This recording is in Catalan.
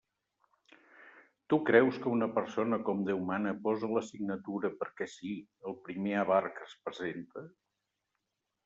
Tu creus que una persona com Déu mana posa la signatura, perquè sí, al primer avar que es presenta?